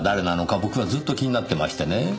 僕はずっと気になってましてね。